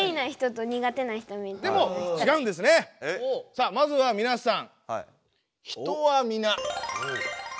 さあまずはみなさん。